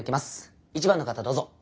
１番の方どうぞ。